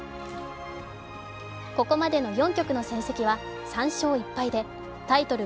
ここまでの４局の戦績は３勝１敗でタイトル